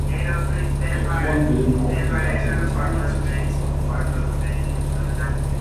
Vektoren bilden auch die Werte interner Zustandsvariablen.